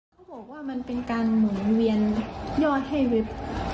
เขาบอกว่ามันเป็นการหมุนเวียนยอดให้เว็บ